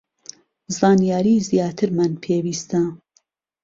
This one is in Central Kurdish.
زانیاری زیاترمان پێویستە